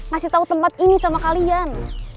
masih tau temen ini sama kalian